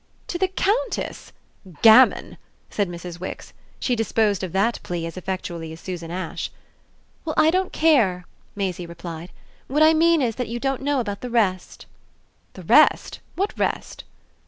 "To the Countess? Gammon!" said Mrs. Wix. She disposed of that plea as effectually as Susan Ash. "Well, I don't care!" Maisie replied. "What I mean is that you don't know about the rest." "The rest? What rest?"